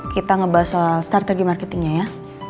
kita ngebahas soal strategi marketingnya ya